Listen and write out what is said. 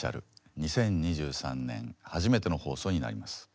２０２３年初めての放送になります。